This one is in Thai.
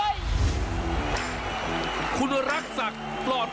คุณรักษักปลอดโปรงจากจังหวัดราชบุรี